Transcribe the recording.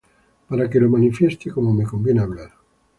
Para que lo manifieste como me conviene hablar.